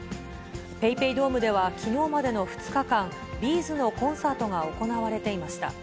ＰａｙＰａｙドームでは、きのうまでの２日間、Ｂ’ｚのコンサートが行われていました。